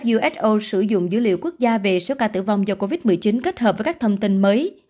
uso sử dụng dữ liệu quốc gia về số ca tử vong do covid một mươi chín kết hợp với các thông tin mới